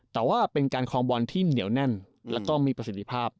แต่ว่าเป็นการคลองบอลที่เหนียวแน่นแล้วก็มีประสิทธิภาพ